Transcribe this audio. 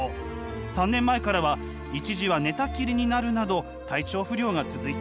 ３年前からは一時は寝たきりになるなど体調不良が続いています。